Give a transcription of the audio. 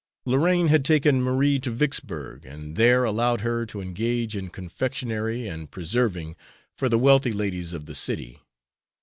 Lorraine had taken Marie to Vicksburg, and there allowed her to engage in confectionery and preserving for the wealthy ladies of the city.